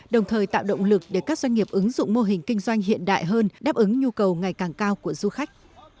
đồng thời tạo động lực để các doanh nghiệp ứng dụng mô hình kinh doanh hiện đại hơn đáp ứng nhu cầu ngày càng cao của du khách